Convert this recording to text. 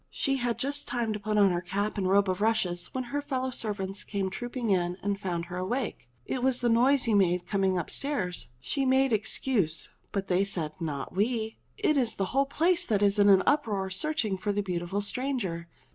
She had just time to put on her cap and robe of rushes, when her fellow servants came trooping in and found her awake. "It was the noise you made coming upstairs," she made CAPORUSHES 305 excuse ; but they said, "Not we ! It is the whole place that is in an uproar searching for the beautiful stranger.